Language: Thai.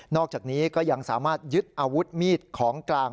อกจากนี้ก็ยังสามารถยึดอาวุธมีดของกลาง